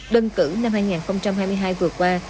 đơn cử năm hai nghìn hai mươi hai vừa qua